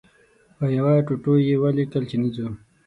په یوه ټوټو یې ولیکل چې نه ځو.